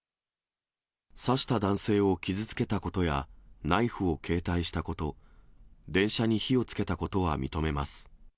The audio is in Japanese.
刺した男性を傷つけたことや、ナイフを携帯したこと、電車に火をつけたことは認めます。